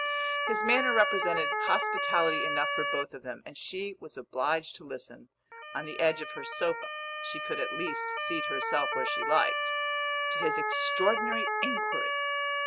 His manner represented hospitality enough for both of them, and she was obliged to listen, on the edge of her sofa (she could at least seat herself where she liked), to his extraordinary inquiry.